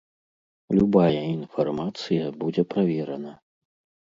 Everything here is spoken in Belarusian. Любая інфармацыя будзе праверана.